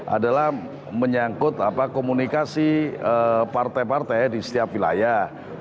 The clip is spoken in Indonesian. adalah menyangkut komunikasi partai partai di setiap wilayah